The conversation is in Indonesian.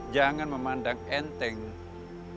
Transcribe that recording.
jangan memandang enteng kebohongan itu